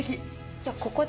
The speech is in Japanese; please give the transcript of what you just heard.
いやここで。